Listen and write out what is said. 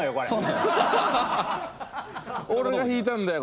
俺が弾いたんだよ！